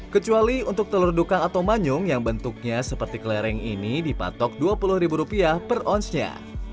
kecuali untuk telur dukang atau manyung yang bentuknya seperti kelereng ini dipatok dua puluh ribu rupiah per onsnya